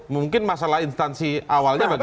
mungkin masalah instansi awalnya bagaimana